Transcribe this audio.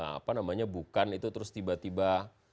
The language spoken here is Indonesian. apa namanya bukan itu terus tiba tiba